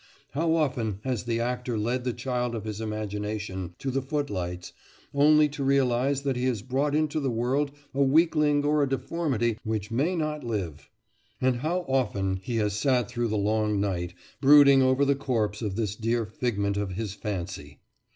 How often has the actor led the child of his imagination to the footlights, only to realise that he has brought into the world a weakling or a deformity which may not live! And how often he has sat through the long night brooding over the corpse of this dear figment of his fancy!